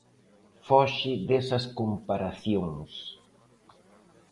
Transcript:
Foxe desas comparacións.